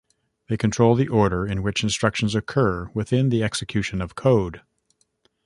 They control the order in which instructions occur within the execution of code.